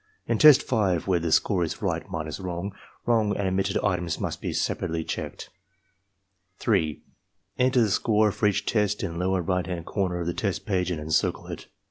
In Test 5, where the score is right minus wrong, wrong and omitted items must be separately checked. 3. Enter the score for each test in lower right hand corner of the test page and encircle it.